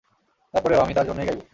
তারপরেও, আমি তার জন্যেই গাইবো।